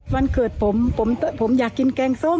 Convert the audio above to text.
วันเกิดผมผมอยากกินแกงส้ม